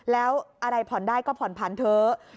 แล้วอะไรผ่อนได้ก็ผ่อนผันเถอะ